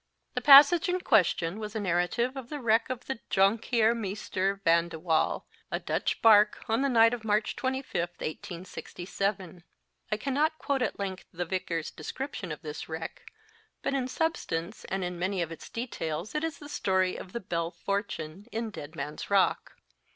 The passage in question was a narrative of the wreck of the Jonkheer Meester Van de Wall, a Dutch barque, on the night of March 25, 1867. I cannot quote at length the vicar s description of this wreck ; but in substance and in many of its details it is the story of the Belle Fortune in Dead Man s Rock.